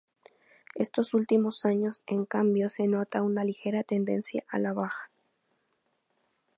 Estos últimos años, en cambio, se nota una ligera tendencia a la baja.